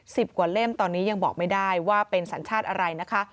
สิบกว่าเล่มตอนนี้ยังบอกไม่ได้ว่าเป็นสัญชาติอะไรนะคะ